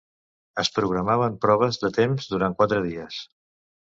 Es programaven proves de temps durant quatre dies.